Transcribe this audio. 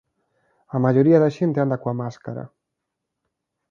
A maioría da xente anda coa máscara.